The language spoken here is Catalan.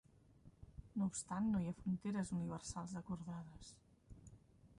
No obstant, no hi ha fronteres universals acordades.